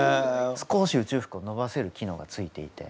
少し宇宙服を伸ばせる機能がついていて。